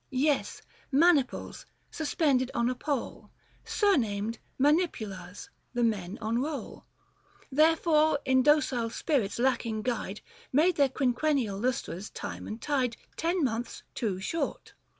Yes " Maniples," suspended on a pole, Surnamed " Manipulars," the men on roll. Therefore indocile spirits lacking guide 125 Made their quinquennial lustra's times and tide Ten months too short.